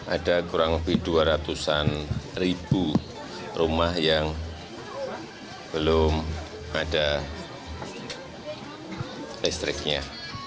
ada kurang lebih dua ratus an ribu rumah yang belum ada listriknya